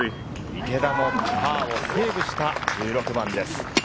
池田もパーをセーブした１６番です。